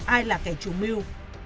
ai là kẻ trú mưu